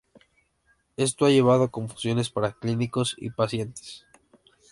Esto ha llevado a confusiones para clínicos y pacientes.